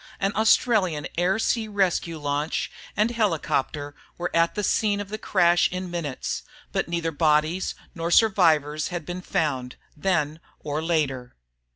An Australian air sea rescue launch and helicopter were at the scene of the crash in minutes, but neither bodies nor survivors had been found, then or later....